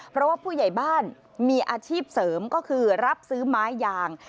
เพราะว่าผู้ใหญ่บ้านมีอาชีพเสริมก็คือรับซื้อไม้ยาง